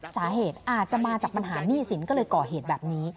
สาเหตุอาจจะมาจากปัญหาหนี้สินก็เลยก่อเหตุแบบนี้